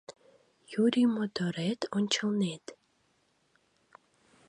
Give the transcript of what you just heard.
Юрий моторет ончылнет.